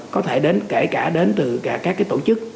có thể đến kể cả đến từ cả các tổ chức